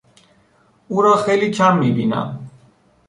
او را خیلی کم میبینم.